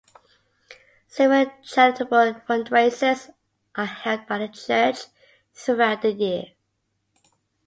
Several charitable fundraisers are held by the church throughout the year.